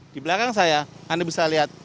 di belakang saya